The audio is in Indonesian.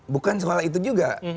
bukan soal itu juga